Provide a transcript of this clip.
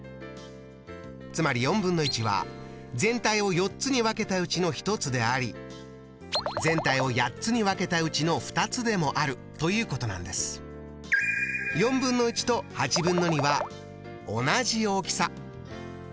つまりは全体を４つに分けたうちの１つであり全体を８つに分けたうちの２つでもあるということなんです。とは同じ大きさ。